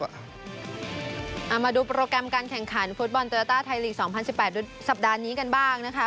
เอามาดูโปรแกรมการแข่งขันฟุตบอลโยต้าไทยลีก๒๐๑๘สัปดาห์นี้กันบ้างนะคะ